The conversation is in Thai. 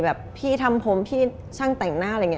แบบพี่ทำผมพี่ช่างแต่งหน้าอะไรอย่างนี้